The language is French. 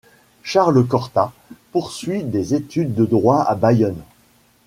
Charles Corta poursuit des études de droit à Bayonne.